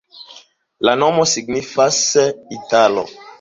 La nomo signifas: italo.